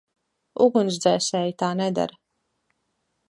Ugunsdzēsēji tā nedara.